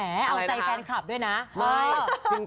เอาใจแฟนคลับด้วยนะ